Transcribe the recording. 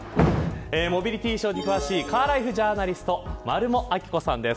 モビリティショーに詳しいカーライフ・ジャーナリストのまるも亜希子さんです。